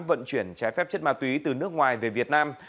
vận chuyển trái phép chất ma túy từ nước ngoài về việt nam